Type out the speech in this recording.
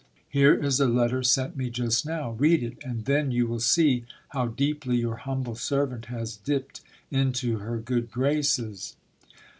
Here is a letter sent me just now. Read it, and then you will see how d ieply your humble servant has dipped into her good graces.